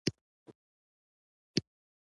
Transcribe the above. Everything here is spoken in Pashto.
هغه ټول جنګي اسیران د پیلانو تر پښو لاندې کړل.